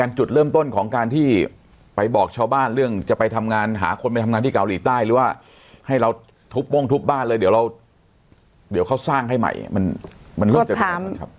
จุดเริ่มต้นของการที่ไปบอกชาวบ้านเรื่องจะไปทำงานหาคนไปทำงานที่เกาหลีใต้หรือว่าให้เราทุบบ้งทุบบ้านเลยเดี๋ยวเราเดี๋ยวเขาสร้างให้ใหม่มันเริ่มจะทำครับ